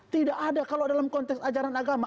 tidak ada kalau dalam konteks ajaran agama